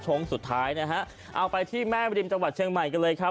สุดท้ายนะฮะเอาไปที่แม่มริมจังหวัดเชียงใหม่กันเลยครับ